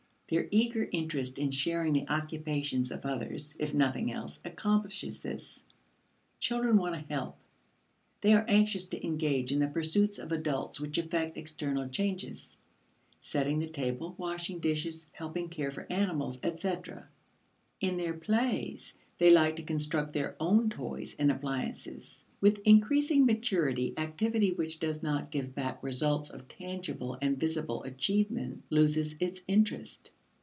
Their eager interest in sharing the occupations of others, if nothing else, accomplishes this. Children want to "help"; they are anxious to engage in the pursuits of adults which effect external changes: setting the table, washing dishes, helping care for animals, etc. In their plays, they like to construct their own toys and appliances. With increasing maturity, activity which does not give back results of tangible and visible achievement loses its interest.